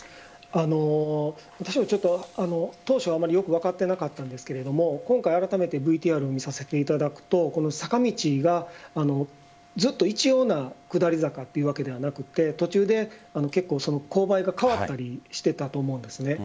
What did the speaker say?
私も当初よく分かっていなかったんですが今回、あらためてＶＴＲを見させていただくとこの坂道がずっと一様な下り坂というわけではなくて途中で結構勾配が変わったりしていたと思うんです。